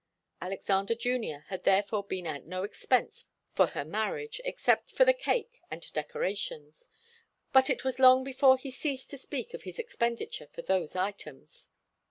Alexander Junior had therefore been at no expense for her marriage, except for the cake and decorations, but it was long before he ceased to speak of his expenditure for those items.